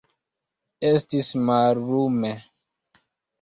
Estis mallume.